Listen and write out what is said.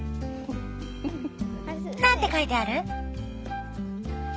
何て書いてある？